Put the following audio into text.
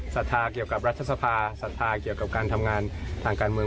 ศรัทธาเกี่ยวกับรัฐสภาศรัทธาเกี่ยวกับการทำงานทางการเมือง